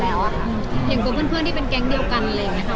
อย่างกับเหินเผลอที่เป็นแกงเดียวกันอะไรอย่างเนี่ยค่ะ